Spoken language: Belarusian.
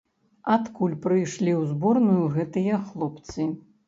Адкуль прыйшлі ў зборную гэтыя хлопцы?